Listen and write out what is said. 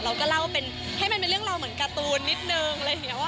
เราก็เล่าให้มันเป็นเรื่องราวเหมือนการ์ตูนนิดนึง